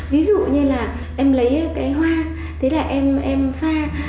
ví dụ như là em lấy cái hoa thế là em pha